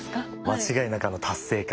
間違いなくあの達成感。